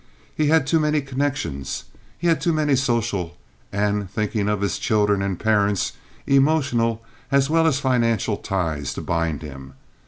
He had too many connections. He had too many social, and thinking of his children and parents, emotional as well as financial ties to bind him.